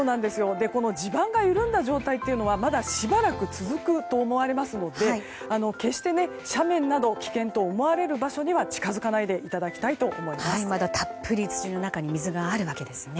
地盤が緩んだ状態はまだしばらく続くと思われますので決して斜面など危険と思われる場所には近づかないでいただきたいとまだたっぷりと地面の中に水があるわけですね。